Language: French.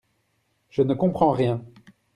Je ne comprends rien.